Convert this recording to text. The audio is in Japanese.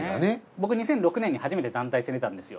僕２００６年に初めて団体戦に出たんですよ